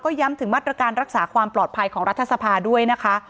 ย้ำถึงมาตรการรักษาความปลอดภัยของรัฐสภาด้วยนะคะ